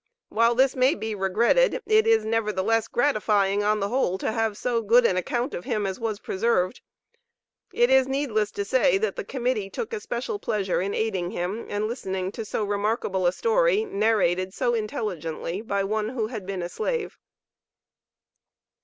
While this may be regretted it is, nevertheless, gratifying on the whole to have so good an account of him as was preserved. It is needless to say, that the Committee took especial pleasure in aiding him, and listening to so remarkable a story narrated so intelligently by one who had been a slave.